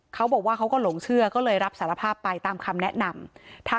เขาบอกว่าเขาก็หลงเชื่อก็เลยรับสารภาพไปตามคำแนะนำ